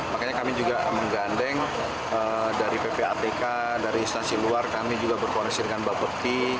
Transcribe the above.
makanya kami juga menggandeng dari ppatk dari instansi luar kami juga berkoalisi dengan bapepti